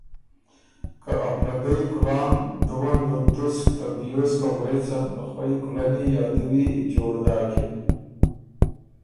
که ا پردئ کلان دُوه ن بُو تُسک ته پیوز په غوېڅن خوئ کلنی یا دُوی جوړ داکِن